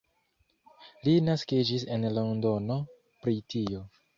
Li naskiĝis en Londono, Britio.